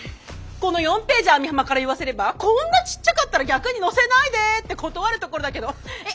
この４ページ網浜から言わせればこんなちっちゃかったら逆に載せないでって断るところだけどえっ